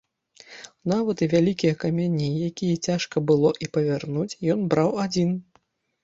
Нават і вялікія камяні, якія цяжка было і павярнуць, ён браў адзін.